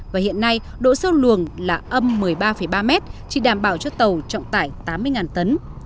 và hiện nay độ sâu luồng là âm một mươi ba ba mét chỉ đảm bảo cho tàu trọng tải tám mươi tấn